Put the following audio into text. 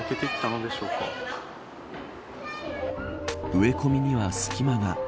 植え込みには隙間が。